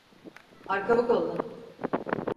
Arkamı kolla.